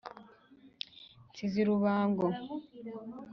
nsize i rubango.